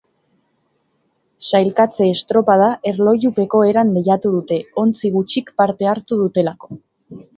Sailkatze-estropada erlojupeko eran lehiatu dute, ontzi gutxik parte hartu dutelako.